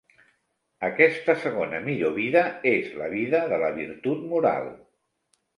Aquesta segona millor vida és la vida de la virtut moral.